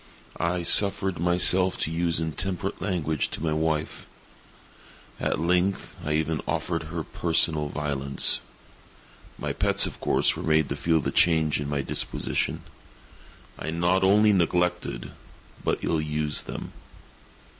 I suffered myself to use intemperate language to my wife. At length, I even offered her personal violence. My pets, of course, were made to feel the change in my disposition. I not only neglected, but ill used them.